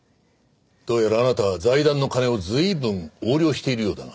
どうやらあなたは財団の金を随分横領しているようだな。